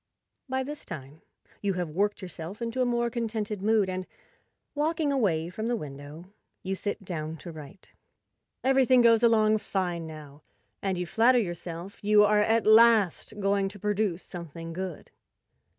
By this time you have worked yourself into a more contented mood, and, walking away from the window, rs8i you sit down to write. Everything goes along fine now, and you flatter yourself you are at last going to produce something good.